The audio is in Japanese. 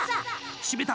しめた！